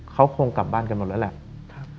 เขาคงกลับบ้านกันหมดแล้วแหละ